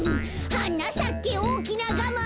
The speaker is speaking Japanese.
「はなさけおおきなガマ」